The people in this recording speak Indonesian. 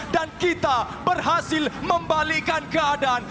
dan kita berhasil membalikan keadaan